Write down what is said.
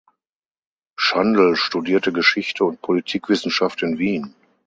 Schandl studierte Geschichte und Politikwissenschaft in Wien.